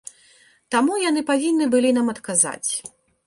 Таму яны павінны былі нам адказаць.